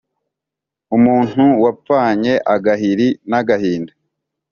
umuntu wapfanye agahiri n’agahinda,